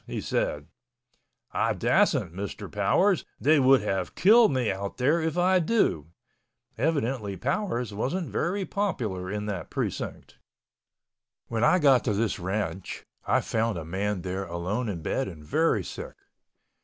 He said, "I dassent, Mr. Powers, they would have kill me out there if I do." Evidently Powers wasn't very popular in that precinct. When I got to this ranch I found a man there alone in bed and very sick.